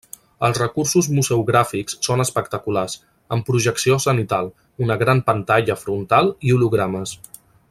Els recursos museogràfics són espectaculars, amb projecció zenital, una gran pantalla frontal i hologrames.